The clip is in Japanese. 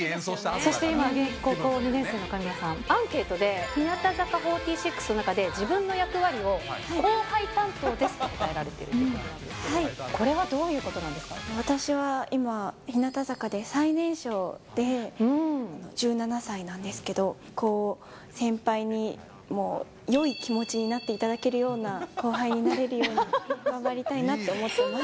そして今、現役高校２年生の上村さん、アンケートで、日向坂４６の中で、自分の役割を、後輩担当ですと答えられているということなんですけど、これはど私は今、日向坂で最年少で１７歳なんですけど、こう、先輩に、もうよい気持ちになっていただけるような後輩になれるように頑張りたいなと思っています。